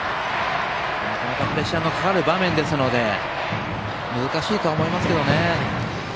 なかなかプレッシャーのかかる場面ですので難しいとは思いますけどね。